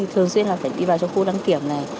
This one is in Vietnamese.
thường xuyên phải đi vào khu đăng kiểm